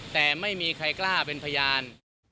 แต่ไม่มีใครกล้าเป็นพยาน